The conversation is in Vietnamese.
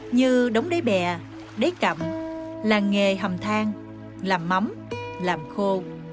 như đóng đáy bè đáy cặm làng nghề hầm thang làm mắm làm khô